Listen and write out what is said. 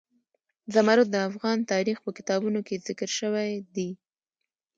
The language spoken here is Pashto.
زمرد د افغان تاریخ په کتابونو کې ذکر شوی دي.